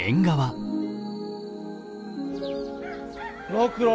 六郎